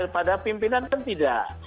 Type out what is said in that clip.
padahal pimpinan kan tidak